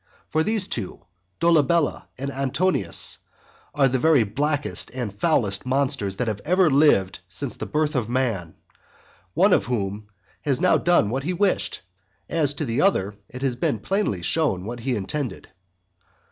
For these two, Dolabella and Antonius, are the very blackest and foulest monsters that have ever lived since the birth of man; one of whom has now done what he wished; and as to the other, it has been plainly shown what he intended.